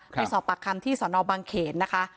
ไปสอบปากคำที่สนบางเขนนะคะ